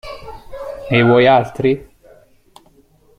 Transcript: Ne vuoi altri?